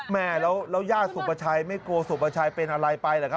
แม่แล้วย่าสุประชัยไม่กลัวสุประชัยเป็นอะไรไปเหรอครับ